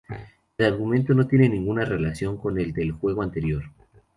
El argumento no tiene ninguna relación con el del juego anterior.